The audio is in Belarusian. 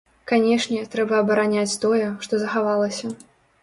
Канешне, трэба абараняць тое, што захавалася.